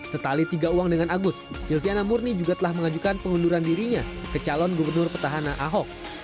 setali tiga uang dengan agus silviana murni juga telah mengajukan pengunduran dirinya ke calon gubernur petahana ahok